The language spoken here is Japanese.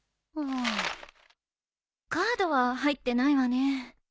カードは入ってないわね。